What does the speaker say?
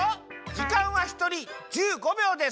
じかんはひとり１５びょうです。